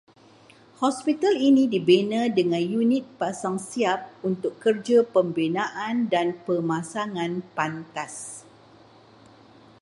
Hospital ini dibina dengan unit pasang siap untuk kerja pembinaan dan pemasangan pantas